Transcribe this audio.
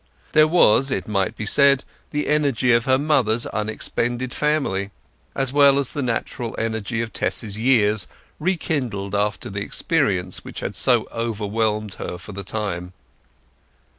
There was, it might be said, the energy of her mother's unexpended family, as well as the natural energy of Tess's years, rekindled after the experience which had so overwhelmed her for the time.